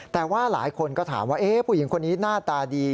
แต่ว่าหลายคนก็ถามว่าพวกเขาน่าตาดี